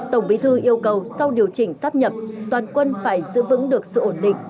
tổng bí thư yêu cầu sau điều chỉnh sắp nhập toàn quân phải giữ vững được sự ổn định